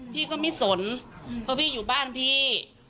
พี่ก็ไม่สนเพราะพี่อยู่บ้านพี่